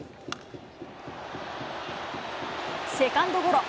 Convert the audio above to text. セカンドゴロ。